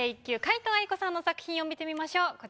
１級皆藤愛子さんの作品を見てみましょう。